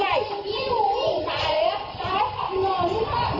ไอ้พี่